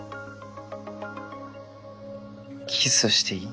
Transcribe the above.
キスしていい？